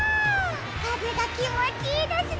かぜがきもちいいですね。